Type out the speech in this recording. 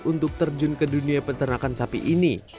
untuk terjun ke dunia peternakan sapi ini